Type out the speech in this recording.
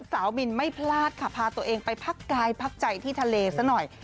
สาวบินไม่พลาดค่ะพาตัวเองไปพักกายพักใจที่ทะเลซะหน่อย